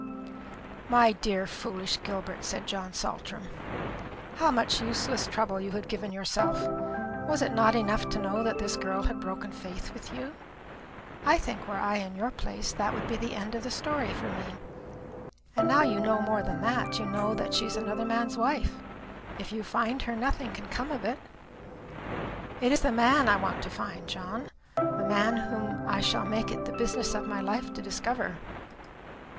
"My dear foolish Gilbert," said John Saltram, "how much useless trouble you have given yourself! Was it not enough to know that this girl had broken faith with you? I think, were I in your place, that would be the end of the story for me. And now you know more than that you know that she is another man's wife. If you find her, nothing can come of it." "It is the man I want to find, John; the man whom I shall make it the business of my life to discover."